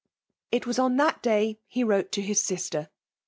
Ik was on that day he wrote to his sister.